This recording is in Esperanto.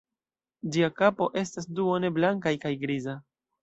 Ĝia kapo estas duone blankaj kaj griza.